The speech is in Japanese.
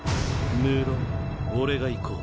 無論俺が行こう